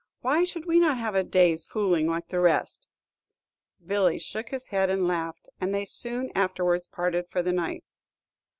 Why should we not have a day's fooling, like the rest?" Billy shook his head and laughed, and they soon afterwards parted for the night.